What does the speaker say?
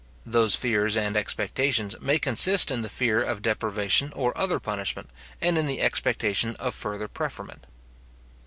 Those fears and expectations may consist in the fear of deprivation or other punishment, and in the expectation of further preferment.